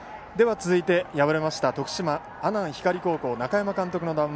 続いて敗れました徳島、阿南光高校の中山監督の談話